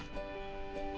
bergabung dengan kebutuhannya